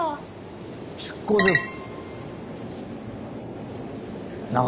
出港です。